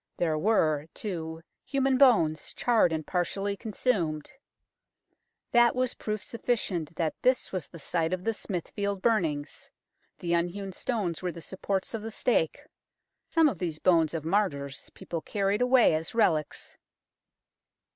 There were, too, human bones, charred and partially consumed. That was proof sufficient that this was the site of the Smithfield burnings. The unhewn stones were the supports of the stake. Some of these bones of martyrs people carried away as relics.